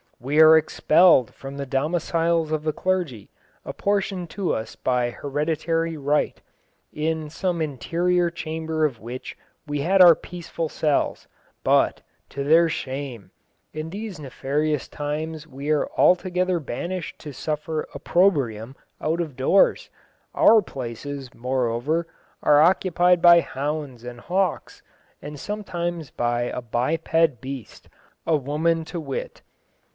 "We are expelled from the domiciles of the clergy, apportioned to us by hereditary right, in some interior chamber of which we had our peaceful cells; but, to their shame, in these nefarious times we are altogether banished to suffer opprobrium out of doors; our places, moreover, are occupied by hounds and hawks, and sometimes by a biped beast: woman, to wit